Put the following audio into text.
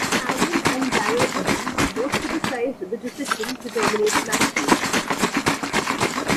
Aaron and Darrell Evans both criticized the decision to terminate Mathews.